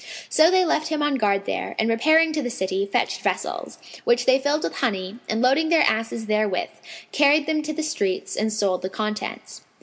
So they left him on guard there and, repairing to the city, fetched vessels, which they filled with honey and loading their asses therewith, carried them to the streets and sold the contents.